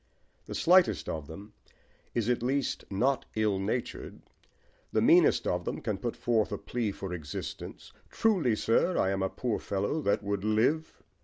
The slightest of them is at least not ill natured: the meanest of them can put forth a plea for existence Truly, sir, I am a poor fellow that would live!